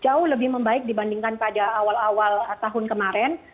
jauh lebih membaik dibandingkan pada awal awal tahun kemarin